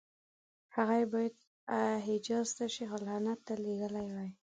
هغه یې باید حجاز ته شیخ الهند ته لېږلي وای.